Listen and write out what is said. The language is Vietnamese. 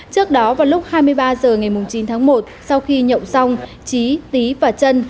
trước đó vào lúc hai mươi ba h ngày chín tháng một sau khi nhậu xong trí tý và trân